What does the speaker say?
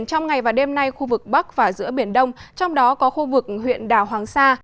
trong khu vực bắc và giữa biển đông trong đó có khu vực huyện đào hoàng sa